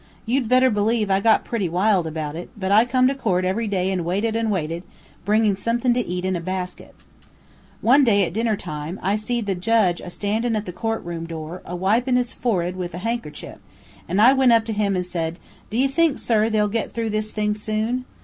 You'd better believe I got pretty wild about it, but I come to court every day an' waited an' waited, bringin' somethin' to eat in a baskit. "One day, at dinner time, I seed the judge astandin' at the court room door, a wipin' his forrid with a handkerchief, an' I went up to him an' said, 'Do you think, sir, they'll get through this thing soon?'